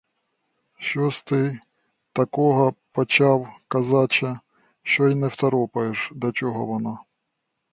Щось ти такого почав, козаче, що й не второпаєш, до чого воно.